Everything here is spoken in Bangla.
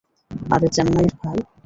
আরে চেন্নাইর, ভাই!